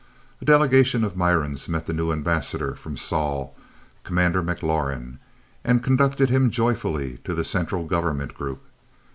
A delegation of Mirans met the new Ambassador from Sol, Commander McLaurin, and conducted him joyfully to the Central Government Group.